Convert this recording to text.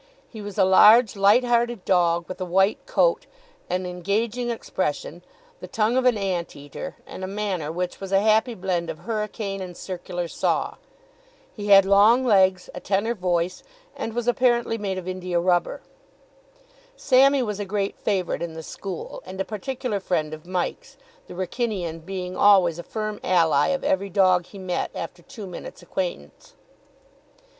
He was a large, light hearted dog with a white coat, an engaging expression, the tongue of an ant eater, and a manner which was a happy blend of hurricane and circular saw. He had long legs, a tenor voice, and was apparently made of india rubber. Sammy was a great favourite in the school, and a particular friend of Mike's, the Wrykynian being always a firm ally of every dog he met after two minutes' acquaintance.